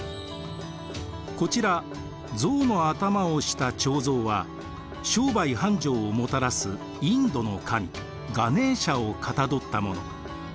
こちら象の頭をした彫像は商売繁盛をもたらすインドの神ガネーシャをかたどったもの。